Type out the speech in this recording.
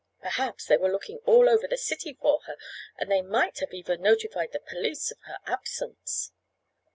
Perhaps they were looking all over the city for her and they might have even notified the police of her absence.